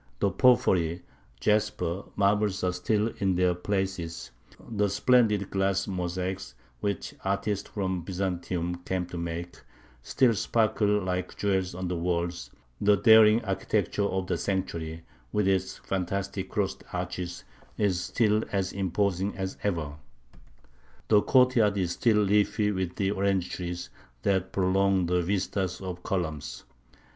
The porphyry, jasper, and marbles are still in their places; the splendid glass mosaics, which artists from Byzantium came to make, still sparkle like jewels on the walls; the daring architecture of the sanctuary, with its fantastic crossed arches, is still as imposing as ever; the courtyard is still leafy with the orange trees that prolong the vistas of columns.